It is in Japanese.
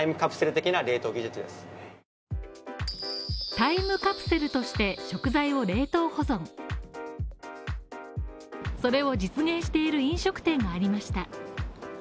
タイムカプセルとして食材を冷凍保存、それを実現している飲食店がありました。